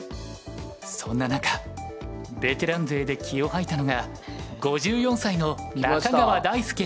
そんな中ベテラン勢で気を吐いたのが５４歳の中川大輔八段。